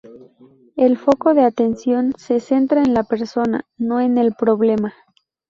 El foco de atención se centra en la persona, no en el problema.